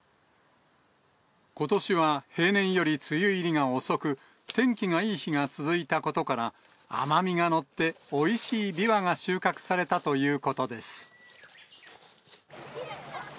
ことしは平年より梅雨入りが遅く、天気がいい日が続いたことから、甘みがのって、おいしいビワが収穫されたということです。